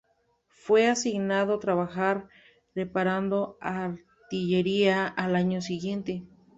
Fue asignado a trabajar reparando artillería al año siguiente.